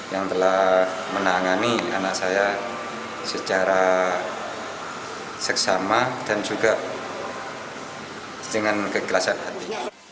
yang telah menangani anak saya secara seksama dan juga dengan kegelasan hati